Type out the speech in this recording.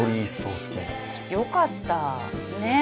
よかったねっ。